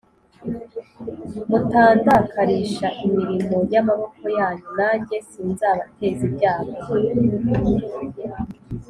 mutandakarisha imirimo y’amaboko yanyu nanjye sinzabateza ibyago